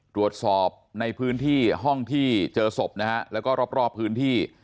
ตรวจสอบในพื้นที่ห้องที่เจอศพนะฮะแล้วก็รอบพื้นที่